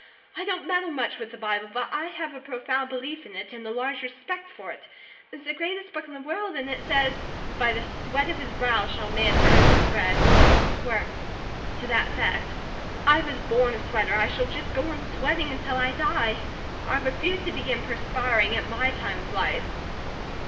I don't meddle much with the Bible, but I have a profound BELIEF in it, and a large RESPECT for it, as the greatest book in the world, and it says: 'By the sweat of his brow shall man earn his bread,' or words to that effect. I was born a sweater, I shall just go on sweating until I die; I refuse to begin perspiring at my time of life."